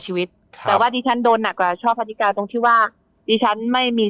ชีวิตค่ะแต่ว่าดิฉันโดนหนักกว่าช่อพนิกาตรงที่ว่าดิฉันไม่มี